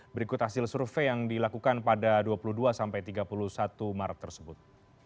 berikut hasil survei yang dilakukan pada dua puluh dua sampai tiga puluh satu maret tersebut